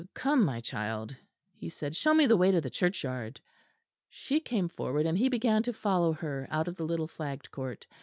"Come, my child," he said, "show me the way to the churchyard." She came forward, and he began to follow her out of the little flagged court.